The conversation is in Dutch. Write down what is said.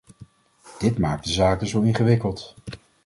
Dit maakt de zaken zo ingewikkeld.